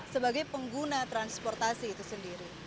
sebagai pengguna transportasi itu sendiri